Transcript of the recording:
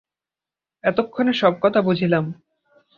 এতক্ষণে সব কথা বুঝিলাম।